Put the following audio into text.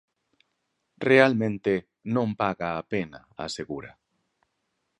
Realmente non paga a pena, asegura.